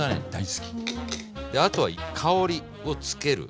あとは香りをつける。